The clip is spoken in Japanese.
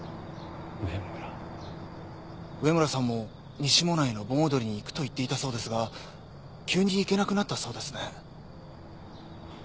上村さんも西馬音内の盆踊りに行くと言っていたそうですが急に行けなくなったそうですね。